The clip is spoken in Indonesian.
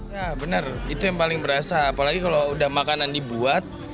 ya benar itu yang paling berasa apalagi kalau udah makanan dibuat